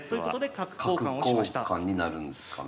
角交換になるんですかね。